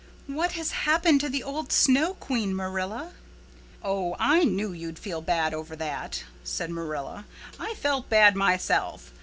"What has happened to the old Snow Queen, Marilla?" "Oh, I knew you'd feel bad over that," said Marilla. "I felt bad myself.